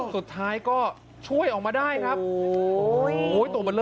สุดท้ายก็ช่วยออกมาได้ครับ